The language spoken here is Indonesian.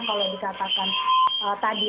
kalau dikatakan tadi